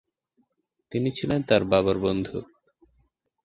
তিনি ছিলেন তার বাবার বন্ধু।